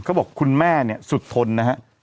เขาบอกคุณแม่สุดทนนะฮะ